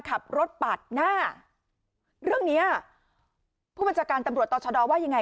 ขับรถปาดหน้าเรื่องเนี้ยผู้บัญชาการตำรวจต่อชะดอว่ายังไง